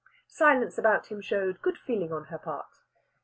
Silence about him showed good feeling on her part.